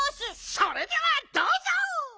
それではどうぞ！